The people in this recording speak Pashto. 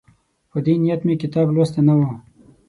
په دې نیت مې کتاب لوستی نه وو.